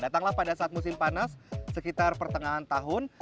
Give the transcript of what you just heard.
datanglah pada saat musim panas sekitar pertengahan tahun